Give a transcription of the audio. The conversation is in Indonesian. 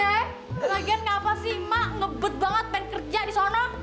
ya ya bagian ngapa sih mak ngebet banget pengen kerja di sana